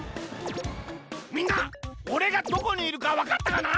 みんなおれがどこにいるかわかったかな？